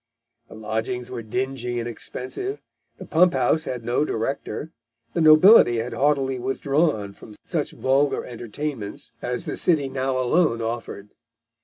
The lodgings were dingy and expensive, the pump house had no director, the nobility had haughtily withdrawn from such vulgar entertainments as the city now alone afforded.